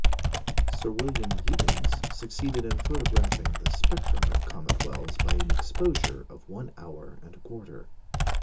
Sir William Huggins succeeded in photographing the spectrum of comet Wells by an exposure of one hour and a quarter.